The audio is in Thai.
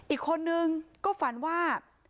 อีกคนนึงก็ฝันว่า